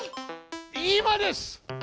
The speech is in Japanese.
今です！